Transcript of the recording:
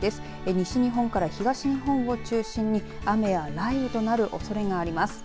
西日本から東日本を中心に雨や雷雨となるおそれがあります。